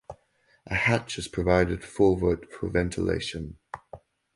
A hatch is provided forward for ventilation.